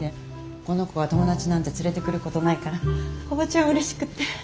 この子が友達なんて連れてくることないからおばちゃんうれしくって。